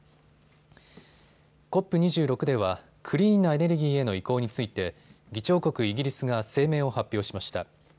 ＣＯＰ２６ではクリーンなエネルギーへの移行について議長国イギリスが声明を発表しました。